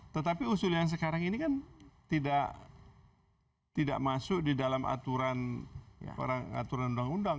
tetapi usul yang sekarang ini kan tidak masuk di dalam aturan undang undang